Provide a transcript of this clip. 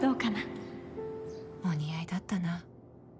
お似合いだったな。